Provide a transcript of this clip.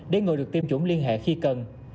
để người được tiêm chủng liên hệ khi cần